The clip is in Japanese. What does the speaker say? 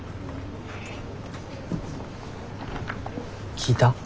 聞いた？